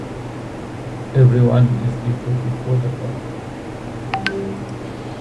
Everyone is equal before the law.